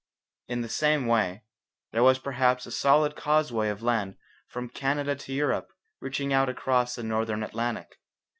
In the same way, there was perhaps a solid causeway of land from Canada to Europe reaching out across the Northern Atlantic.